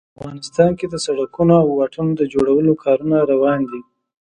افغانستان کې د سړکونو او واټونو د جوړولو کارونه روان دي